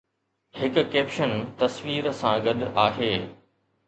هڪ ڪيپشن تصوير سان گڏ آهي